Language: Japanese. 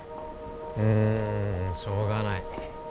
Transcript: うーんしょうがない